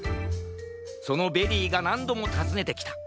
そのベリーがなんどもたずねてきた。